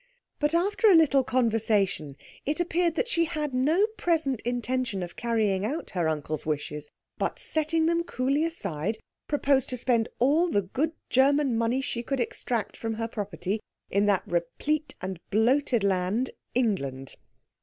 But after a little conversation, it appeared that she had no present intention of carrying out her uncle's wishes, but, setting them coolly aside, proposed to spend all the good German money she could extract from her property in that replete and bloated land, England.